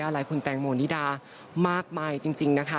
อะไรคุณแตงโมนิดามากมายจริงนะคะ